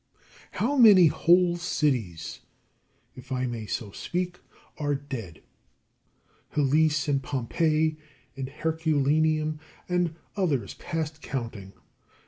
How many whole cities, if I may so speak, are dead: Helice and Pompeii and Herculaneum, and others past counting.